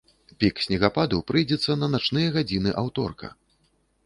Пік снегападу прыйдзецца на начныя гадзіны аўторка.